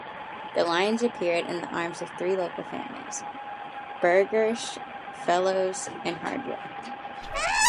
The lions appeared in the arms of three local families: Burgersh, Fellowes and Hardwick.